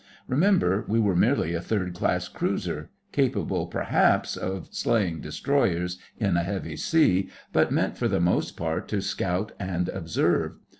Remember, we were merely a third class cruiser, capable, perhaps, of slaying destroyers in a heavy sea, but meant for the most part to scout and observe.